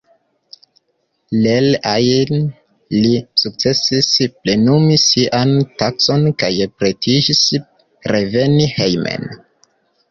Iel ajn, li sukcesis plenumi sian taskon kaj pretiĝis reveni hejmen.